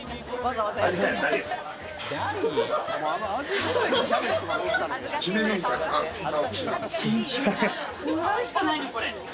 笑うしかないね、これ。